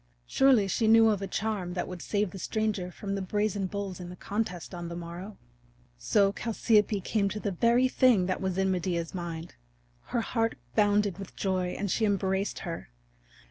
Surely she knew of a charm that would save the stranger from the brazen bulls in the contest on the morrow! So Chalciope came to the very thing that was in Medea's mind. Her heart bounded with joy and she embraced her.